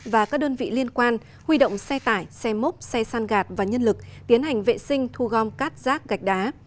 và các đơn vị liên quan huy động xe tải xe mốc xe san gạt và nhân lực tiến hành vệ sinh thu gom cát rác gạch đá